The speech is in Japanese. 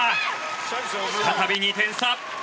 再び２点差。